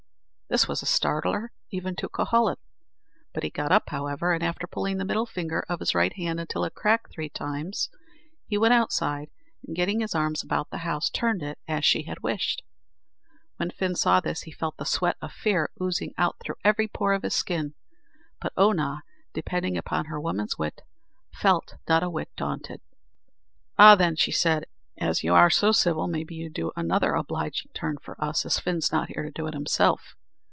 This was a startler even to Cuhullin; but he got up, however, and after pulling the middle finger of his right hand until it cracked three times, he went outside, and getting his arms about the house, turned it as she had wished. When Fin saw this, he felt the sweat of fear oozing out through every pore of his skin; but Oonagh, depending upon her woman's wit, felt not a whit daunted. "Arrah, then," said she, "as you are so civil, maybe you'd do another obliging turn for us, as Fin's not here to do it himself.